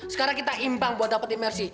sekarang kita imbang buat dapet imersi